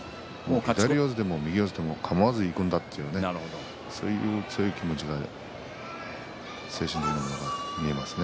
左四つでも右四つでもかまわずに組んだというそういう強い気持ち精神的なものが見えますね。